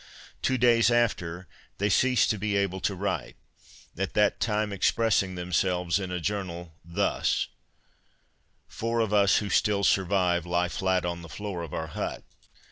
Two days after, they ceased to be able to write, at that time expressing themselves in a journal thus: "Four of us who still survive, lie flat on the floor of our hut.